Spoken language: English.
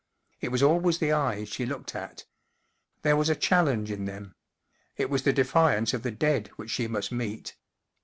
It was always the eyes she looked at. There was a challenge in them. It was the defiance of the dead which she must meet.